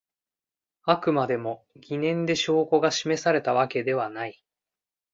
あくまでも疑念で証拠が示されたわけではない